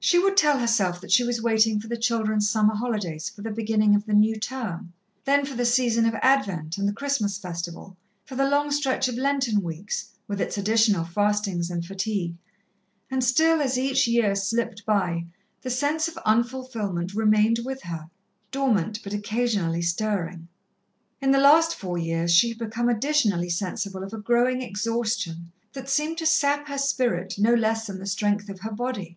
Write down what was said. She would tell herself that she was waiting for the children's summer holidays for the beginning of the new term, then for the season of Advent and the Christmas festival, for the long stretch of Lenten weeks, with its additional fastings and fatigue, and still as each year slipped by the sense of unfulfilment remained with her, dormant but occasionally stirring. In the last four years she had become additionally sensible of a growing exhaustion, that seemed to sap her spirit no less than the strength of her body.